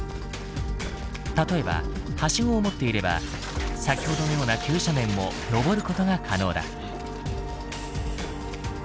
例えばハシゴを持っていれば先ほどのような急斜面ものぼることが可能だ。